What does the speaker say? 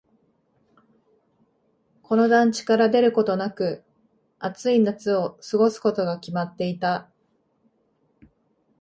この団地から出ることなく、暑い夏を過ごすことが決まっていた。